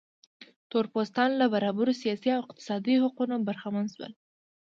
تور پوستان له برابرو سیاسي او اقتصادي حقونو برخمن شول.